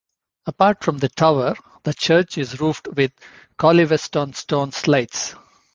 Apart from the tower, the church is roofed with Collyweston stone slates.